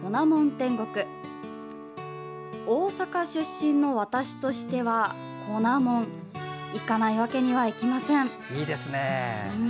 天国大阪出身の私としては、粉もん行かないわけにはいきません。